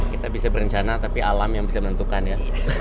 kita bisa berencana tapi alam yang bisa menentukan ya